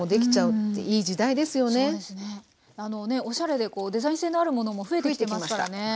おしゃれでデザイン性のあるものも増えてきてますからね。